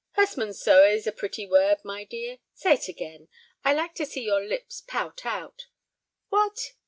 "Hurstmonceux is a pretty word, my dear. Say it again; I like to see your lips pout out. What!